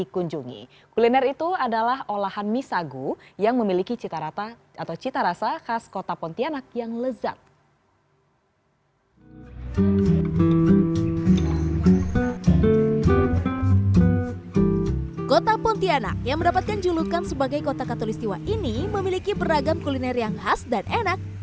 kota pontianak yang mendapatkan julukan sebagai kota katolik setiwa ini memiliki beragam kuliner yang khas dan enak